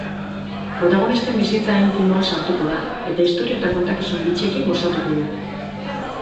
Protagonisten bizitza intimoan sartuko da, eta istorio eta kontakizun bitxiekin gozatuko du.